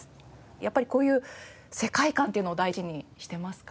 やっぱりこういう世界観っていうのを大事にしてますか？